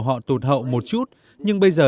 họ tụt hậu một chút nhưng bây giờ